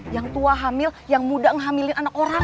yang tua hamil yang muda ngehamilin anak orang